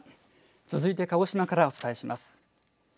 続いて鹿児島からお伝えします。